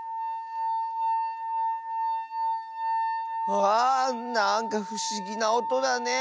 わあなんかふしぎなおとだね。